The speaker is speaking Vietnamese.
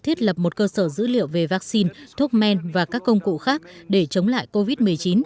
thiết lập một cơ sở dữ liệu về vaccine thuốc men và các công cụ khác để chống lại covid một mươi chín